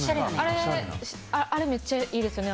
あれめっちゃいいですよね。